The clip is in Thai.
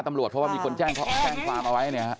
ตำรวจเพราะว่ามีคนแจ้งฟังเอาไว้